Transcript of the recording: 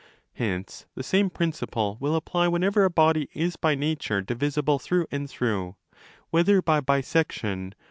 Hence the same principle will apply whenever a body is 20 by nature divisible through and. through, whether by bisection